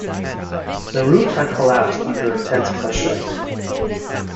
The roof had collapsed under intense pressure.